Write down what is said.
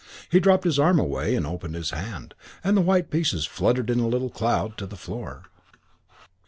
He dropped his arm away and opened his hand, and the white pieces fluttered in a little cloud to the floor.